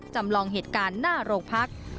จำลองเหตุการณ์หน้าโรงพัก